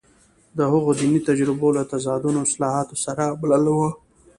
د هغوی دیني تجربه له تضادونو او اصلاحاتو سره مله وه.